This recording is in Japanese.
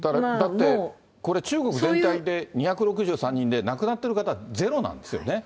これ、中国全体で２６３人で、亡くなっている方、０なんですよね。